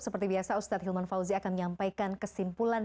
seperti biasa ustadz hilman fauzi akan menyampaikan kesimpulan